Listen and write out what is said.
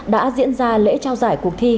đã diễn ra lễ trao giải cuộc thi